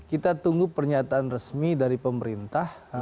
kita tunggu pernyataan resmi dari pemerintah